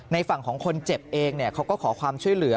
ฝั่งของคนเจ็บเองเขาก็ขอความช่วยเหลือ